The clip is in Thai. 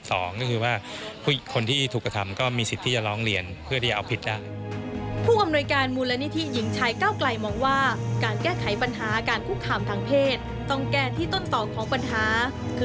สองคือว่าผู้คนที่ถูกกระทำ